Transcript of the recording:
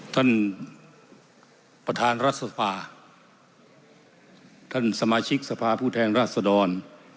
ท่านประธานรัฐสภาท่านสมาชิกสภาผู้แทนราชดร